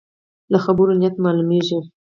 له خبرو نیت معلومېږي.